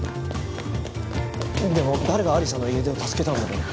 でも誰が有沙の家出を助けたんだろう？